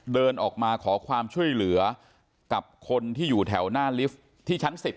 เดินออกมาขอความช่วยเหลือกับคนที่อยู่แถวหน้าลิฟท์ที่ชั้น๑๐